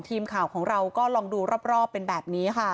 ทีมข่าวของเราก็ลองดูรอบเป็นแบบนี้ค่ะ